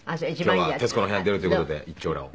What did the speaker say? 「今日は『徹子の部屋』に出るという事で一張羅を」